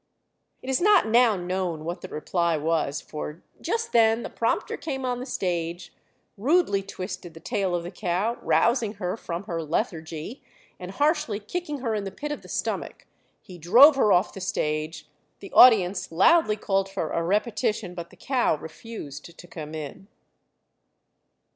It is not now known what the reply was, for just then the prompter came on the stage, rudely twisted the tail of the cow, rousing her from her lethargy, and harshly kicking her in the pit of the stomach, he drove her off the stage, The audience loudly called for a repetition, but the cow refused to come in.